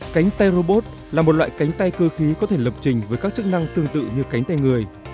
cánh tay robot là một loại cánh tay cơ khí có thể lập trình với các chức năng tương tự như cánh tay người